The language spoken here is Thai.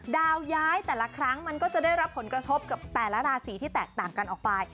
ย้ายแต่ละครั้งมันก็จะได้รับผลกระทบกับแต่ละราศีที่แตกต่างกันออกไป